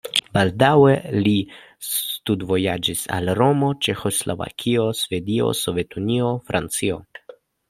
Baldaŭe li studvojaĝis al Romo, Ĉeĥoslovakio, Svedio, Sovetunio, Francio.